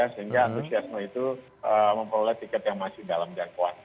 sehingga antusiasme itu memperoleh tiket yang masih dalam jangkauan